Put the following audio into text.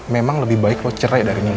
memang lebih baik lo cerai dari nino